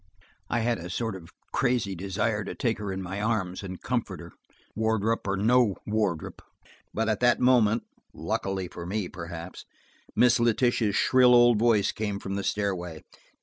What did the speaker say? I had a sort of crazy desire to take her in my arms and comfort her, Wardrop or no Wardrop. But at that moment, luckily for me, perhaps, Miss Letitia's shrill old voice came from the stairway.